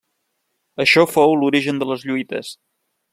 Això fou l'origen de les lluites.